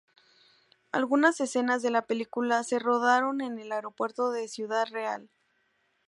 Algunas escenas de la película se rodaron en el Aeropuerto de Ciudad Real.